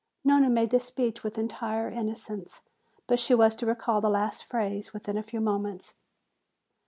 Nona made this speech with entire innocence, but she was to recall the last phrase within a few moments.